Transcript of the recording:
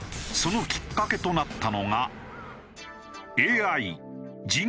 そのきっかけとなったのが。